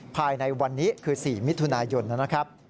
ภายในวันนี้คือ๔มิถุนายนนะครับ